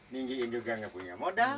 ninggiin juga nggak punya modal